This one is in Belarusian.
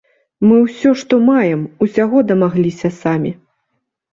Мы ўсё, што маем, усяго дамагліся самі.